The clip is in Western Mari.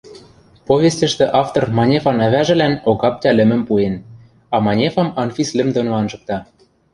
Повестьӹштӹ автор Манефан ӓвӓжӹлӓн Огаптя лӹмым пуэн, а Манефам Анфис лӹм доно анжыкта.